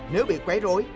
năm nếu bị quấy rối